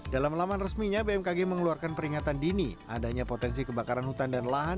dalam laman resminya bmkg mengeluarkan peringatan dini adanya potensi kebakaran hutan dan lahan